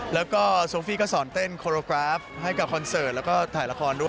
แล้วก็โซฟี่ก็สอนเต้นโคโรกราฟให้กับคอนเสิร์ตแล้วก็ถ่ายละครด้วย